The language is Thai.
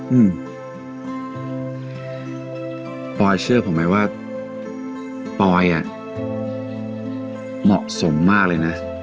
อืมปอยเชื่อผมไหมว่าปอยอ่ะเหมาะสมมากเลยนะ